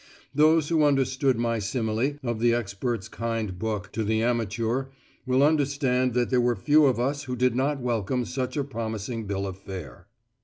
Those who understood my simile of the expert's kind book to the amateur will understand that there were few of us who did not welcome such a promising bill of fare.